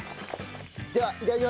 ではいただきます。